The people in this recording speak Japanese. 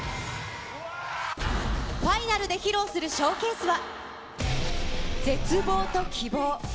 ファイナルで披露するショーケースは、絶望と希望。